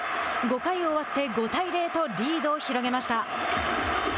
５回を終わって５対０とリードを広げました。